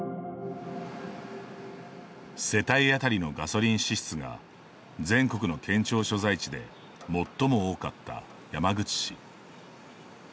世帯あたりのガソリン支出が全国の県庁所在地で最も多かった山口市。